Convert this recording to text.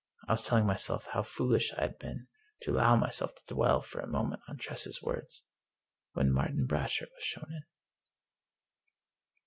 I was telling myself how foolish I had been to allow myself to dwell for a moment on Tress's words, when Martin Brasher was shown in.